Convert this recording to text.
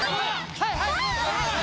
はいはい！